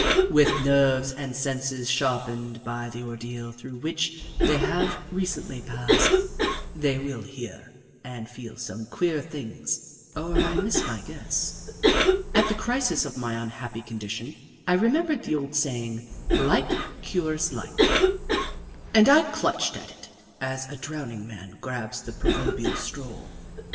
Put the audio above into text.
With nerves and senses sharpened by the ordeal through which they have recently passed, they will hear and feel some queer things, or I miss my guess. At the crisis of my unhappy condition, I remembered the old saying, " Like cures like," and I clutched at it as a drowning man grabs the proverbial straw.